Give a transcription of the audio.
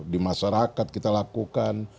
di masyarakat kita lakukan